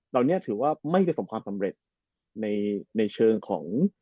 เราเนี่ยถือว่าไม่ได้สมความสำเร็จในเชิงของ